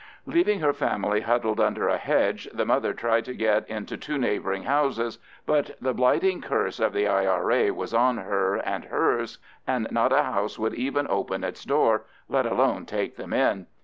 Leaving her family huddled under a hedge, the mother tried to get into two neighbouring houses; but the blighting curse of the I.R.A. was on her and hers, and not a house would even open its door, let alone take them in.